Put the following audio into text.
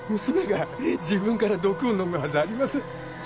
娘が自分から毒を飲むはずありません。